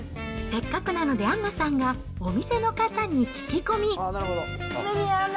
せっかくなので、アンナさんがお店の方に聞き込み。